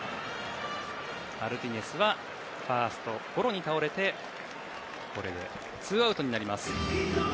マルティネスはファーストゴロに倒れてツーアウトになります。